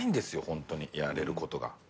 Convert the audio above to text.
ホントにやれることが。